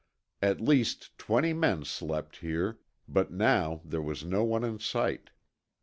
At least twenty men slept here, but now there was no one in sight.